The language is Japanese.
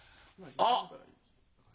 あっ？